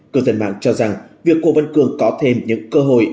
cư dân mạng cho rằng việc hồ văn cường có thêm những cơ hội